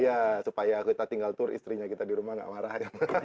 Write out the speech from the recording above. iya supaya kita tinggal tur istrinya kita di rumah gak marah